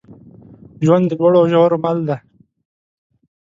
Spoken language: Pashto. ژوند د لوړو او ژورو مل دی.